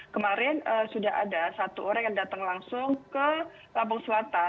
kemarin sudah ada satu orang yang datang langsung ke lampung selatan